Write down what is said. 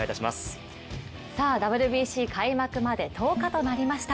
ＷＢＣ開幕まで１０日となりました。